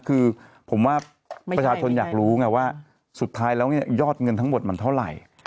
คือผมว่าประชาชนอยากรู้ไงว่าสุดท้ายแล้วยอดเงินทั้งหมดมันเท่าไหร่